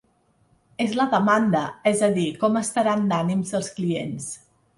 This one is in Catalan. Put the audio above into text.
És la demanda, és a dir, com estaran d’ànims els clients.